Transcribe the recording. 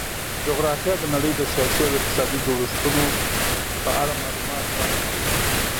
جغرافیه د نړۍ د سیاسي او اقتصادي جوړښتونو په اړه معلومات وړاندې کوي.